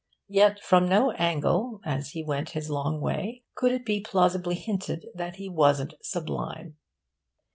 Yet from no angle, as he went his long way, could it be plausibly hinted that he wasn't sublime.